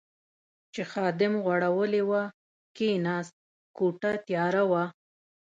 چې خادم غوړولې وه، کېناست، کوټه تیاره وه.